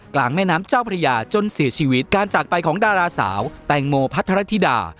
แม่น้ำเจ้าพระยาจนเสียชีวิตการจากไปของดาราสาวแตงโมพัทรธิดา